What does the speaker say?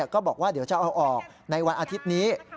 ก็บอกว่าเดี๋ยวจะเอาออกในวันอาทิตย์นี้